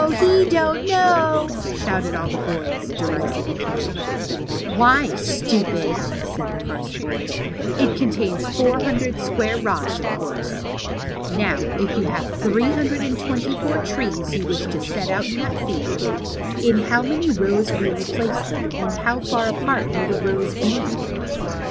He don't know!" shouted all the little boys, derisively. BEHIND THE WARDROBE. 59 ^^Why, stupid/' said tlie first boy, ^^it contains four hundred square rods, of course. Now, if you have three hundred and twenty four trees you wish to set out in that field, in how many rows will you place them, and how far apart will the rows be